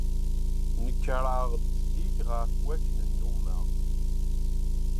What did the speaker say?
Nekreɣ-d zik ɣef wakken nnummeɣ.